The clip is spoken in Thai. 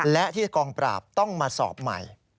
และที่กองปราบต้องมาสอบใหม่